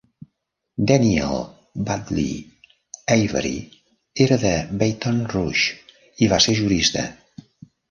Daniel Dudley Avery era de Baton Rouge, i va ser jurista.